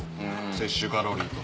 摂取カロリーと。